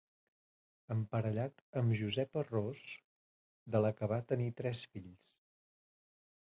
Emparellat amb Josepa Ros de la que va tenir tres fills.